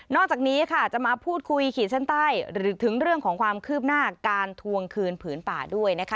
อกจากนี้ค่ะจะมาพูดคุยขีดเส้นใต้หรือถึงเรื่องของความคืบหน้าการทวงคืนผืนป่าด้วยนะคะ